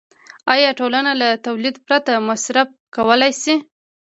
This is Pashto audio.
آیا ټولنه له تولید پرته مصرف کولی شي